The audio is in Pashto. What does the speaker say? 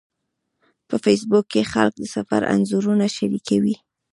په فېسبوک کې خلک د سفر انځورونه شریکوي